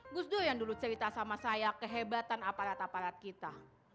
gus dur yang dulu cerita sama saya kehebatan aparat aparat kita